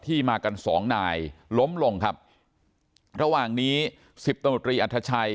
มากันสองนายล้มลงครับระหว่างนี้สิบตำรวจรีอัธชัย